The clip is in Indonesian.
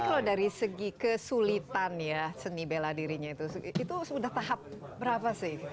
tapi kalau dari segi kesulitan ya seni bela dirinya itu sudah tahap berapa sih